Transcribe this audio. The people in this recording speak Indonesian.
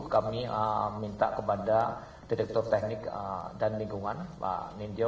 kami minta kepada direktur teknik dan lingkungan pak ninjo